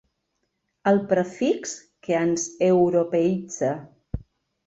El prefix que ens europeïtza.